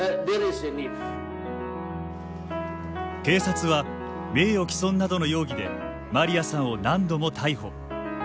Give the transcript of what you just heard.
警察は名誉毀損などの容疑でマリアさんを何度も逮捕。